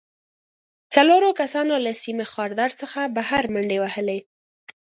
څلورو کسانو له سیم خاردار څخه بهر منډې وهلې